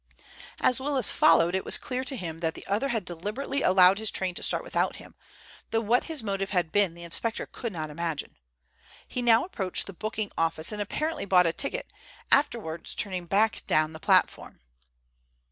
As Willis followed, it was clear to him that the other had deliberately allowed his train to start without him, though what his motive had been the inspector could not imagine. He now approached the booking office and apparently bought a ticket, afterwards turning back down the platform.